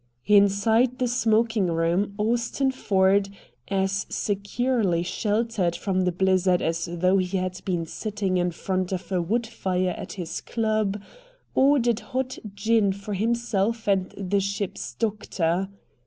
Inside the smoking room Austin Ford, as securely sheltered from the blizzard as though he had been sitting in front of a wood fire at his club, ordered hot gin for himself and the ship's doctor.